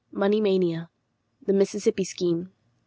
] MONEY MANIA. THE MISSISSIPPI SCHEME.